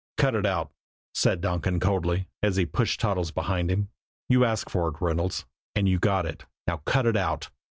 "Cut it out!" said Donkin coldly, as he pushed Toddles behind him. "You asked for it, Reynolds, and you got it. Now cut it out!"